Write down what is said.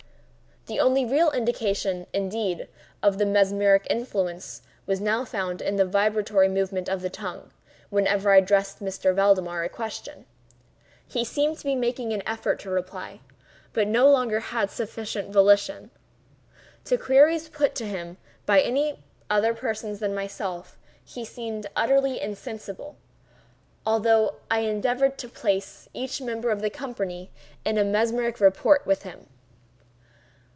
The only real indication, indeed, of the mesmeric influence, was now found in the vibratory movement of the tongue, whenever I addressed M. Valdemar a question. He seemed to be making an effort to reply, but had no longer sufficient volition. To queries put to him by any other person than myself he seemed utterly insensible—although I endeavored to place each member of the company in mesmeric rapport with him.